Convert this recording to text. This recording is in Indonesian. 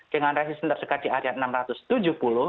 dengan resisten terdekat di area rp enam ratus tujuh puluh